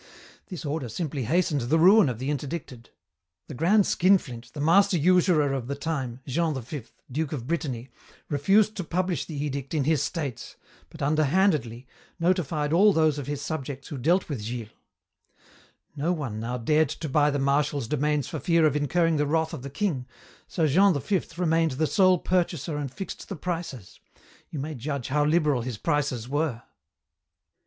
"This order simply hastened the ruin of the interdicted. The grand skinflint, the master usurer of the time, Jean V, duke of Brittany, refused to publish the edict in his states, but, underhandedly, notified all those of his subjects who dealt with Gilles. No one now dared to buy the Marshal's domains for fear of incurring the wrath of the king, so Jean V remained the sole purchaser and fixed the prices. You may judge how liberal his prices were.